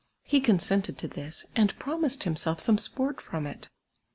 lie consented to tliis, and promised himself some sport from it.